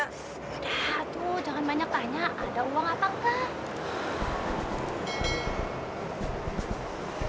udah tuh jangan banyak tanya ada uang apakah